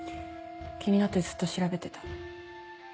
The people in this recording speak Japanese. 気になってずっと調べてた。